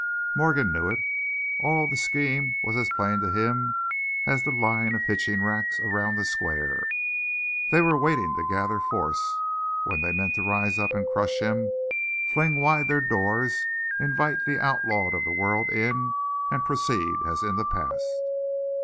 Morgan knew it; all the scheme was as plain to him as the line of hitching racks around the square. They were waiting to gather force, when they meant to rise up and crush him, fling wide their doors, invite the outlawed of the world in, and proceed as in the past.